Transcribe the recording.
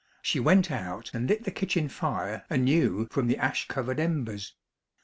She went out and lit the kitchen fire anew from the ash covered embers.